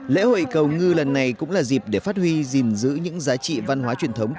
lễ hội cầu ngư lần này cũng là dịp để phát huy gìn giữ những giá trị văn hóa truyền thống